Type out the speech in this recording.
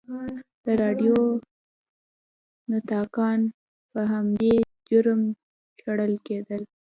د راډیو نطاقان به په همدې جرم شړل کېدل.